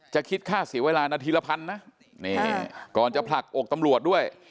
คิดค่าเสียเวลานาทีละพันนะนี่ก่อนจะผลักอกตำรวจด้วย